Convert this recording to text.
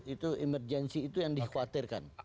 itu emergensi itu yang dikhawatirkan